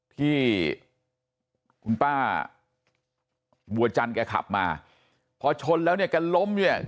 ที่คุณป้าบัวจันแกขับมาพอชนแล้วเนี่ยแกล้มเนี่ย